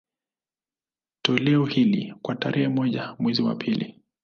Toleo hili, kwa tarehe moja mwezi wa pili